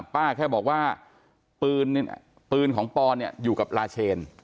แค่บอกว่าปืนของปอนเนี่ยอยู่กับลาเชน